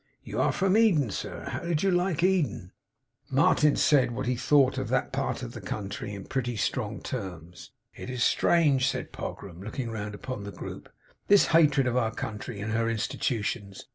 'You are from Eden, sir? How did you like Eden?' Martin said what he thought of that part of the country, in pretty strong terms. 'It is strange,' said Pogram, looking round upon the group, 'this hatred of our country, and her Institutions!